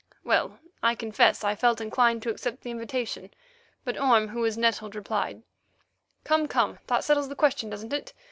Well, I confess I felt inclined to accept the invitation, but Orme, who was nettled, replied: "Come, come; that settles the question, doesn't it?